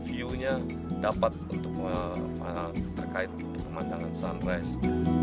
tapi tentunya dapat untuk terkait pemandangan sunrise